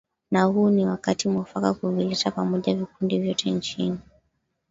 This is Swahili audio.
na huu ni wakati mwafaka kuvileta pamoja vikundi vyote nchini misri